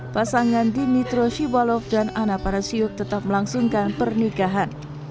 pasangan dimitro shibolov dan ana parasyuk tetap melangsungkan pernikahan